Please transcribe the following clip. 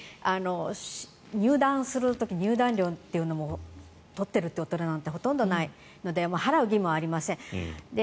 入檀する時入檀料も取っていることなんてほとんどないので払う義務はありません。